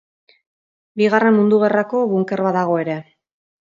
Bigarren Mundu Gerrako bunker bat dago ere.